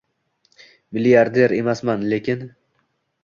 Milliarder emasman lekin